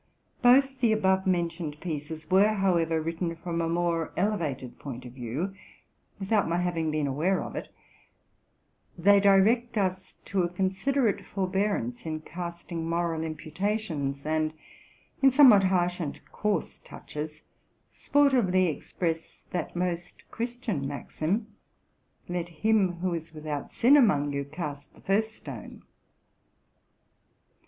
Both the above mentioned pieces were, however, written from a more elevated point of view, without my having been aware of it. They direct us to a considerate forbearance in casting moral imputations, and in somewhat harsh and coarse touches sportively express that most Christian maxim, Lef him who is without sin among you cast the first stone.